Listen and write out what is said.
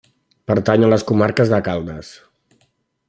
Pertany a la Comarca de Caldas.